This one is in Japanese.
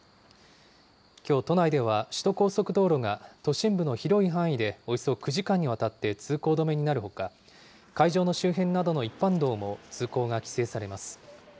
きょう、都内では首都高速道路が都心部の広い範囲でおよそ９時間にわたって通行止めになるほか、会場の周辺などの一般道も通行が規制されます。